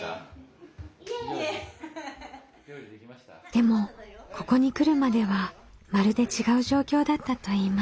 でもここに来るまではまるで違う状況だったといいます。